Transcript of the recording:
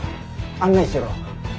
案内しろ。